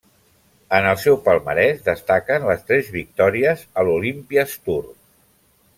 En el seu palmarès destaquen les tres victòries a l'Olympia's Tour.